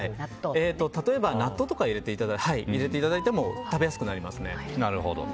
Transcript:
例えば納豆とか入れていただいても食べやすくなりますね。